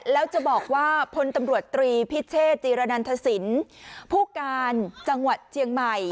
แล้วจะบอกว่าพลตำรวจตรีพิเชษจีรนันทศิลป์ผู้การจังหวัดเชียงใหม่